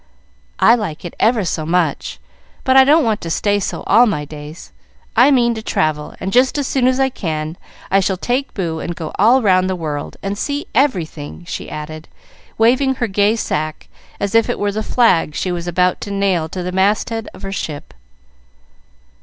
"I like it ever so much, but I don't want to stay so all my days. I mean to travel, and just as soon as I can I shall take Boo and go all round the world, and see everything," she added, waving her gay sack, as if it were the flag she was about to nail to the masthead of her ship.